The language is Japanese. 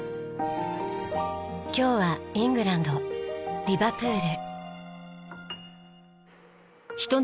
今日はイングランドリバプール。